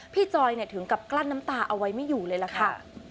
จอยถึงกับกลั้นน้ำตาเอาไว้ไม่อยู่เลยล่ะค่ะ